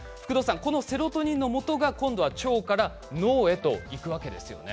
このセロトニンのもとが今度は腸から脳へといくわけですね。